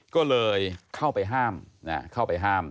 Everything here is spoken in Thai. ก็เลยเข้าไปห้าม